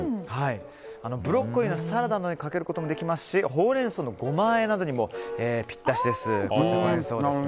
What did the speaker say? ブロッコリーのサラダなどにかけることもできますしほうれん草のゴマあえなどにもぴったりです。